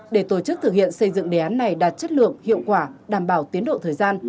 để tổ chức thực hiện xây dựng đề án này đạt chất lượng hiệu quả đảm bảo tiến độ thời gian